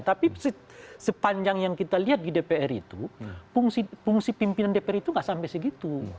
tapi sepanjang yang kita lihat di dpr itu fungsi pimpinan dpr itu nggak sampai segitu